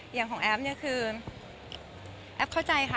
อย่างของแอฟเนี่ยคือแอฟเข้าใจค่ะ